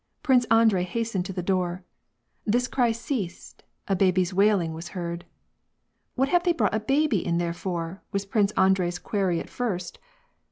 Prince Andrei hastened to the door; this cry ceased; a baby's wailing was heard. " What have they brought a baby in there for ?" was Prince Andrei's query at first.